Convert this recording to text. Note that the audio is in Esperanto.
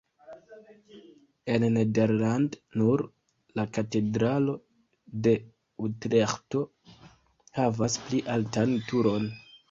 En Nederland nur la katedralo de Utreĥto havas pli altan turon.